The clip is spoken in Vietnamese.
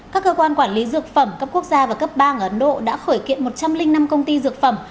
các cơ quan quản lý dược phẩm cấp quốc gia và cấp bang ở ấn độ đã khởi kiện một trăm linh năm công ty dược phẩm